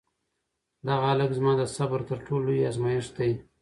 دغه هلک زما د صبر تر ټولو لوی ازمېښت دی.